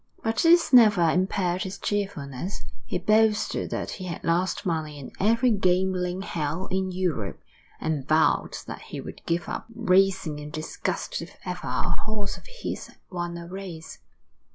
But this never impaired his cheerfulness. He boasted that he had lost money in every gambling hell in Europe, and vowed that he would give up racing in disgust if ever a horse of his won a race.